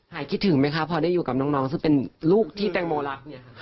คิดถึงไหมคะพอได้อยู่กับน้องซึ่งเป็นลูกที่แตงโมรักเนี่ยค่ะ